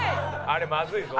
「あれまずいぞ」